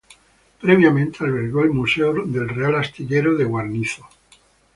Previamente albergó el Museo del Real Astillero de Guarnizo.